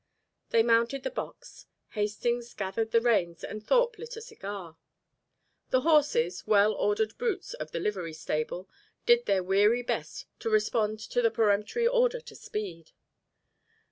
They mounted the box. Hastings gathered the reins and Thorpe lit a cigar. The horses, well ordered brutes of the livery stable, did their weary best to respond to the peremptory order to speed.